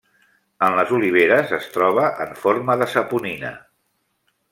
En les oliveres es troba en forma de saponina.